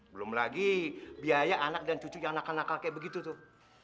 belum lagi biaya anak dan cucu yang nakal nakal kayak begitu tuh